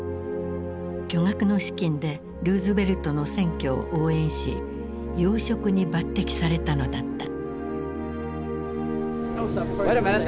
巨額の資金でルーズベルトの選挙を応援し要職に抜てきされたのだった。